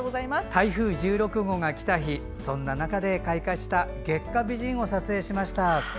台風１６号がきた日そんな中で開花した月下美人を撮影しました。